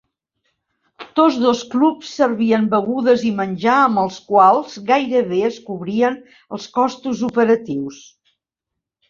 Tots dos clubs servien begudes i menjar amb els quals gairebé es cobrien els costos operatius.